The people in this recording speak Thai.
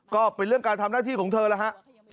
ก็เป็นเรื่องการทำหน้าที่ของเธอแล้วฮะ